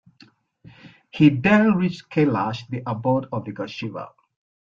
He then reached Kailash, the abode of the god Shiva.